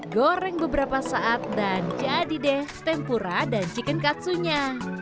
goreng beberapa saat dan jadi deh tempura dan chicken katsunya